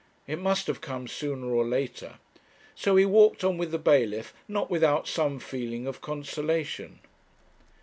It must have come sooner or later. So he walked on with the bailiff not without some feeling of consolation.